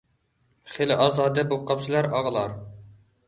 خېلى ئازادە بوپقاپسىلەر، ئاغىلار.